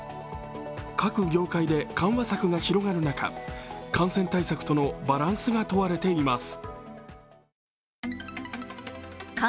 各業界で緩和策が広がる中感染対策とのバランスが問われています。